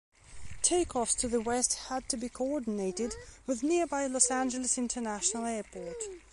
Takeoffs to the west had to be coordinated with nearby Los Angeles International Airport.